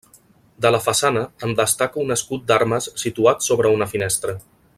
De la façana en destaca un escut d'armes situat sobre una finestra.